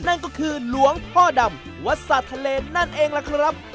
นั่นก็คือหลวงพ่อดำวัดศาสตร์ทะเลนั่นเองล่ะครับ